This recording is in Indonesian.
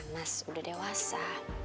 mas udah dewasa